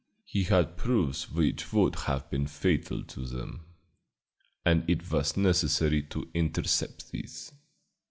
He had proofs which would have been fatal to them, and it was necessary to intercept these.